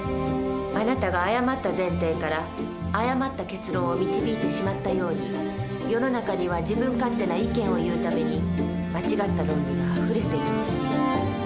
あなたが誤った前提から誤った結論を導いてしまったように世の中には自分勝手な意見を言うために間違った論理があふれているの。